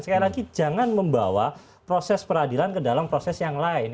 sekali lagi jangan membawa proses peradilan ke dalam proses yang lain